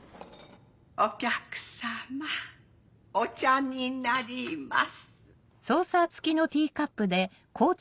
お客さまお茶になります。